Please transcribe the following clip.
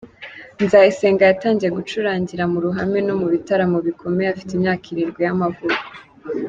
Nzayisenga yatangiye gucurangira mu ruhame no mu bitaramo bikomeye afite imyaka irindwi y’amavuko.